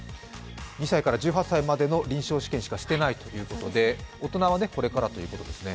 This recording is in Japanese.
２歳から１８歳までの臨床試験しかしていないということで大人はこれからということですね。